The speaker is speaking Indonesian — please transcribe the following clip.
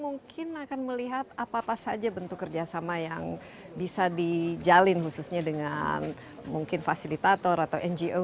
mungkin akan melihat apa apa saja bentuk kerjasama yang bisa dijalin khususnya dengan mungkin fasilitator atau ngo